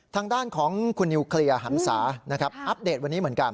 ทางด้านของคุณนิวเคลียร์หันศานะครับอัปเดตวันนี้เหมือนกัน